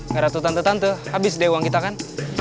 gak ratu tante tante habis deh uang kita kan